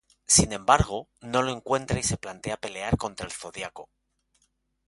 Sin embargo, no lo encuentra y se plantea pelear contra el zodiaco.